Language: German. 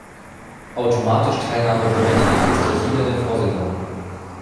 Automatisch teilnahmeberechtigt ist der Sieger der Vorsaison.